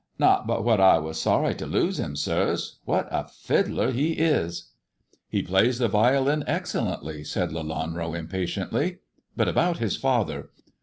Not but what I was sorry to lose him, sirs. What a fiddler he is !"He plays the violin excellently," said Lelanro impa tiently ;" but about his father.